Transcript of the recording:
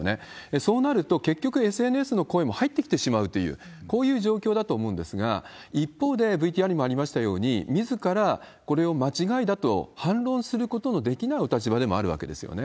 そうなると結局、ＳＮＳの声も入ってきてしまうという、こういう状況だと思うんですが、一方で、ＶＴＲにもありましたように、みずからこれを間違いだと反論することのできないお立場でもあるわけですよね。